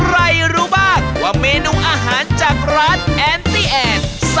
รู้บ้างว่าเมนูอาหารจากร้านแอนตี้แอน